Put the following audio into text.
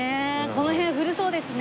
この辺は古そうですね。